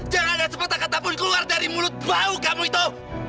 jangan ada semata kata pun keluar dari mulut bau kamu itu